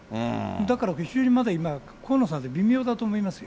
だから非常に今、河野さん、微妙だと思いますよ。